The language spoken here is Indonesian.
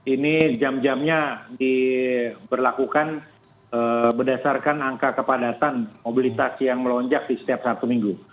ini jam jamnya diberlakukan berdasarkan angka kepadatan mobilitas yang melonjak di setiap satu minggu